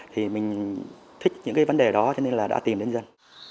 thì mình thích những cái vấn đề đó cho nên là đã tìm đến dân